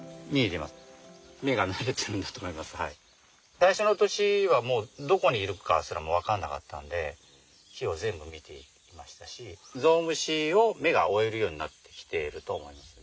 最初の年はもうどこにいるかすらも分かんなかったんで木を全部見ていましたしゾウムシを目が追えるようになってきてるとは思いますね。